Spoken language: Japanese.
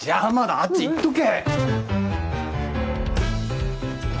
あっち行っとけ！